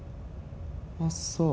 あっそう。